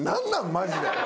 マジで。